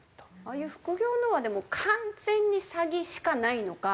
ああいう副業のは完全に詐欺しかないのか。